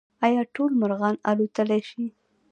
ایا ټول مرغان الوتلی شي؟